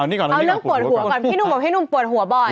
เอาเรื่องปวดหัวก่อนพี่หนุ่มบอกพี่หนุ่มปวดหัวบ่อย